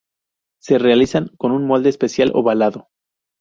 Se realizan con un molde especial ovalado.